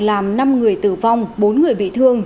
làm năm người tử vong bốn người bị thương